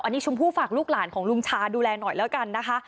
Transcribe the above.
อันนี้ชมพู่ฝากลูกหลานของลุงชาดูแลหน่อยแล้วกันนะคะ